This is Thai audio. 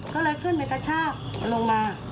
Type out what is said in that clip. ก็เลยขึ้นไปกระชากลงมา